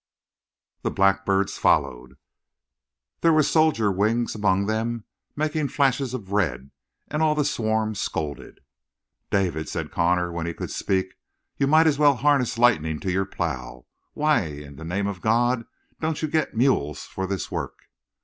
The blackbirds followed. There were soldier wings among them making flashes of red, and all the swarm scolded. "David," said Connor when he could speak, "you might as well harness lightning to your plow. Why in the name of God, man, don't you get mules for this work?"